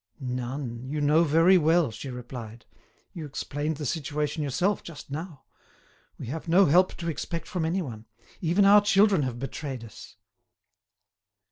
"None, you know very well," she replied; "you explained the situation yourself just now; we have no help to expect from anyone; even our children have betrayed us."